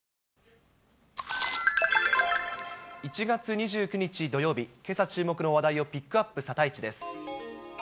１月２９日土曜日、けさ注目の話題をピックアップ、サタイチです。